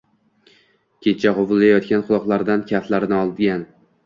Kenja g‘uvillayotgan quloqlaridan kaftlarini olgan